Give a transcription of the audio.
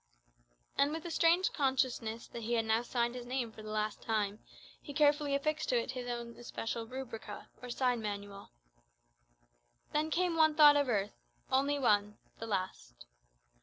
And with a strange consciousness that he had now signed his name for the last time, he carefully affixed to it his own especial "rubrica," or sign manual. Then came one thought of earth only one the last.